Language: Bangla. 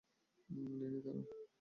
নেয় নি, দাঁড়াও।